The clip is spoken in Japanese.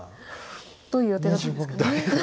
どういう予定だったんですかね。